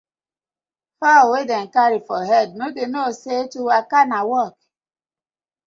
Fowl wey dem carry for head no dey know say to waka na work: